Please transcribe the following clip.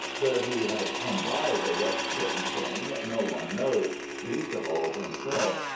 Where he had come by the rust bitten thing no one knows, least of all himself.